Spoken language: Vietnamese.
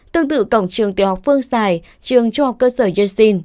tương tự cổng trường tiểu học phương sài trường trung học cơ sở nhân sinh